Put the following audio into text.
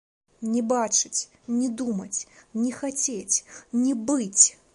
Не бачыць, не думаць не хацець, не быць!